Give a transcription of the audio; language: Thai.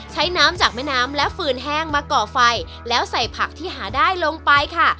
ใช้น้ำจากแม่น้ำและฟืนแห้งมาก่อไฟแล้วใส่ผักที่หาได้ลงไปค่ะ